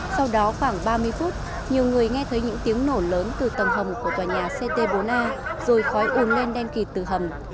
sau đó khoảng ba mươi phút nhiều người nghe thấy những tiếng nổ lớn từ tầng hầm của tòa nhà ct bốn a rồi khói um lên đen kịt từ hầm